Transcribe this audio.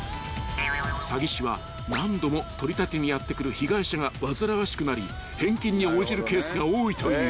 ［詐欺師は何度も取り立てにやって来る被害者が煩わしくなり返金に応じるケースが多いという］